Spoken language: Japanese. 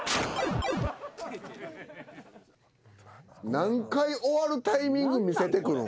何回終わるタイミング見せてくるん？